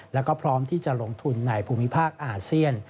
แล้วก็พร้อมที่จะลงทุนในภูมิภาคอาเซียน